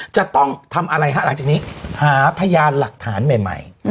จะต้องทำอะไรฮะหลังจากนี้หาพยานหลักฐานใหม่